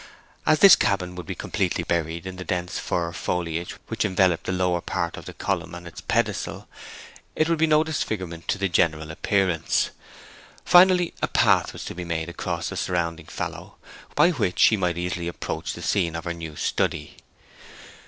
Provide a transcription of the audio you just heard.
As this cabin would be completely buried in the dense fir foliage which enveloped the lower part of the column and its pedestal, it would be no disfigurement to the general appearance. Finally, a path was to be made across the surrounding fallow, by which she might easily approach the scene of her new study.